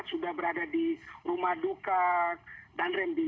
sudah berada di rumah duka dan remdy